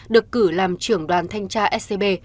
được cử làm trưởng đoàn thanh tra scb